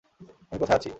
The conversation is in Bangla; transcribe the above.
আমি কোথায় আছি?